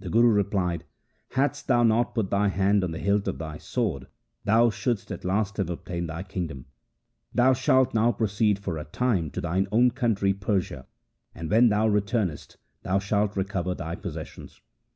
The Guru replied :' Hadst thou not put thy hand on the hilt of thy sword, thou shouldst at once have obtained thy kingdom. Thou shalt now pro ceed for a time to thine own country Persia, and when thou returnest thou shalt recover thy possessions.'